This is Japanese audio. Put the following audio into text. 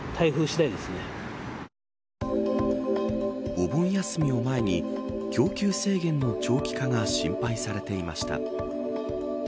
お盆休みを前に供給制限の長期化が心配されていました。